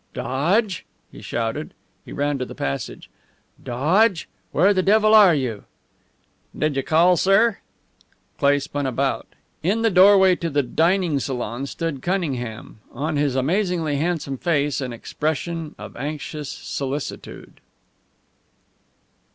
"Dodge!" he shouted. He ran to the passage. "Dodge, where the devil are you?" "Did you call, sir?" Cleigh spun about. In the doorway to the dining salon stood Cunningham, on his amazingly handsome face an expression of anxious solicitude!